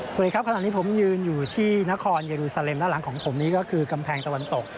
สวัสดีครับขณะนี้ผมยืนอยู่ที่นครเยอรูซาเลมด้านหลังของผมนี้ก็คือกำแพงตะวันตก